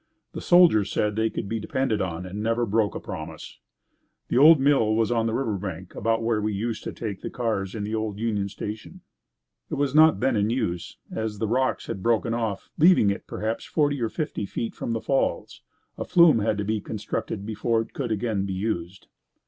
The soldier said they could be depended on and never broke a promise. The old mill was on the river bank about where we used to take the cars in the old Union Station. It was not then in use, as the rocks had broken off, leaving it perhaps forty or fifty feet from the Falls. A flume had to be constructed before it could again be used.